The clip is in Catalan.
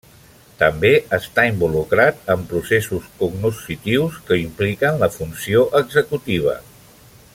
També està involucrat en processos cognoscitius que impliquen la funció executiva.